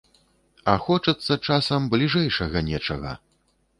А хочацца часам бліжэйшага нечага.